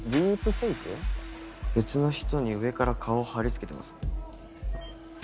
別の人に上から顔を貼り付けてますね。